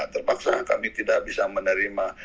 terpaksa kami tidak bisa menerima